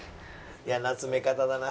嫌な詰め方だな。